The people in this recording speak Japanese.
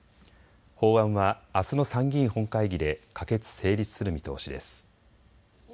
法案はあすの参議院本会議で可決・成立する見通しです。